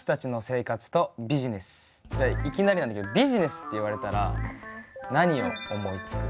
じゃあいきなりなんだけどビジネスって言われたら何を思いつく？